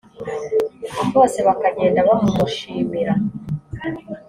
bose bakagenda bamumushimira